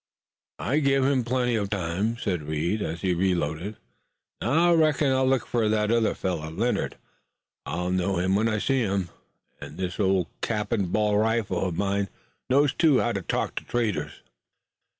"I give him plenty uv time," said Reed as he reloaded. "Now I reckon I'll look fur that other feller, Leonard. I'll know him when I see him, an' this old cap an' ball rifle uv mine knows too how to talk to traitors."